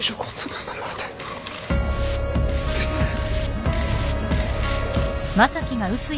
すいません。